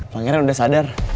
pangeran udah sadar